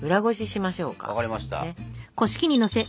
分かりました。